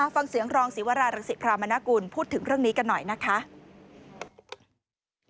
ฟังเสียงรองศิวรารังศิพรามนกุลพูดถึงเรื่องนี้กันหน่อยนะคะ